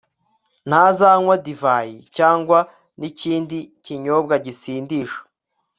ntazanywa divayi cyangwa n'ikindi kinyobwa gisindisha